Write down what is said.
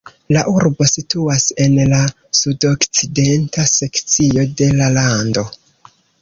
La urbo situas en la sudokcidenta sekcio de la lando.